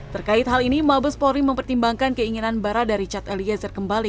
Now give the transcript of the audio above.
terkait hal ini maaf polri mempertimbangkan keinginan barah dari richard eliezer kembali